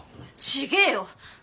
違えよ。